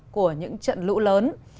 của những trận lũ lớn